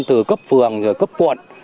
từ cấp phường cấp quận